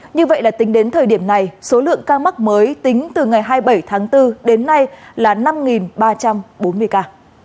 như vậy là tính đến thời điểm này số lượng ca mắc mới tính từ ngày hai mươi bảy tháng bốn đến nay là năm ba trăm bốn mươi ca